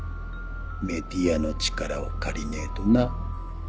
メディアの力を借りねえとな。